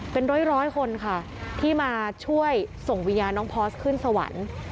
เป็นร้อยคนค่ะที่มาช่วยส่งวิญญาณน้องพอสขึ้นสวรรค์